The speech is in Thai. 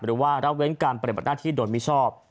หรือว่าระเว้นการปฏิบัติหน้าที่โดยมิชอบ